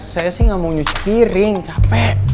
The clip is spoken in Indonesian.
saya sih gak mau cuci piring capek